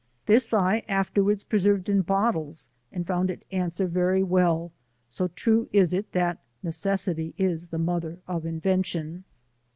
This I afterwards preser ved in bottles, and found it answer very well, so true is it that "necessity is the mother of invention."